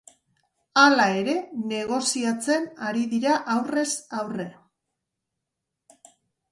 Hala ere, negoziatzen ari dira aurrez aurre.